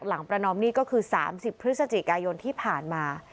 ประนอมหนี้ก็คือ๓๐พฤศจิกายนที่ผ่านมา